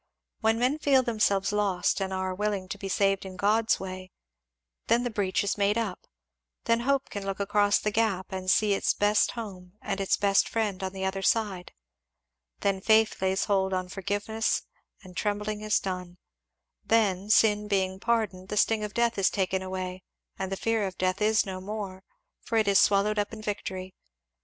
When men feel themselves lost and are willing to be saved in God's way, then the breach is made up then hope can look across the gap and see its best home and its best friend on the other side then faith lays hold on forgiveness and trembling is done then, sin being pardoned, the sting of death is taken away and the fear of death is no more, for it is swallowed up in victory.